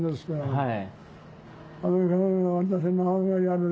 はい。